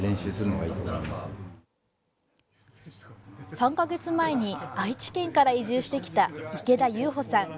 ３か月前に愛知県から移住してきた池田祐輔さん。